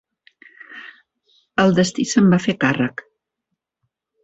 El destí se'n va fer càrrec.